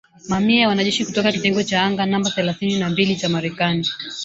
Mamia ya wanajeshi kutoka kitengo cha anga namba themanini na mbili cha Marekani.